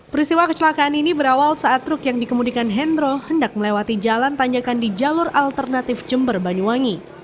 peristiwa kecelakaan ini berawal saat truk yang dikemudikan hendro hendak melewati jalan tanjakan di jalur alternatif jember banyuwangi